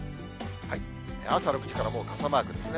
朝６時からもう傘マークですね。